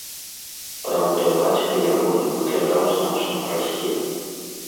Праўда, бацька ягоны выглядаў значна прасцей.